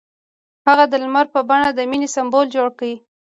هغه د لمر په بڼه د مینې سمبول جوړ کړ.